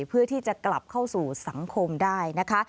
เพื่อที่จะกลับเข้าสู่สังคมได้นะคะ